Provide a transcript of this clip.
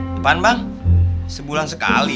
depan bang sebulan sekali